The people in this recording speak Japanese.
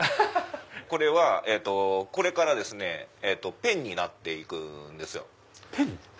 これはこれからペンになって行くんですよ。